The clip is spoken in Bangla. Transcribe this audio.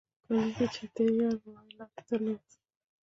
কোনোকিছুতেই আর ভয় লাগত না।